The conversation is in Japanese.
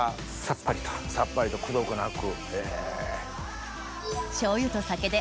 さっぱりとくどくなく。